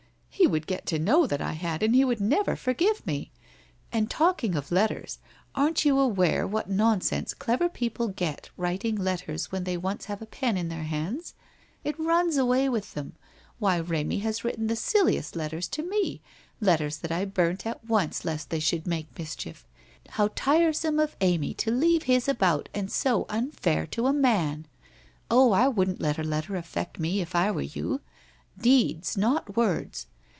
He would get to know that I had, and he would never forgive me. And talking of letters, aren't you aware what nonsense clever people get writing when they once have a pen in their hands ? If runs away with them. Why, Ifcmy has written the silliest letters to me, letters that I burnt at once lest they should make mischief. How tire some of Amy to leave his about and so unfair to a man! Oh, I wouldn't let a letter affect me if I were you. Deeds, not words.